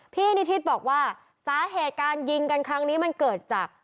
นิทิศบอกว่าสาเหตุการยิงกันครั้งนี้มันเกิดจาก